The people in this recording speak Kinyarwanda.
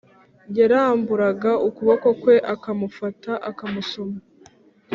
yaramburaga ukuboko kwe akamufata, akamusoma.